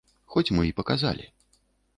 Хоць мы і паказалі.